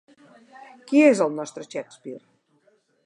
Qui és el nostre Shakespeare?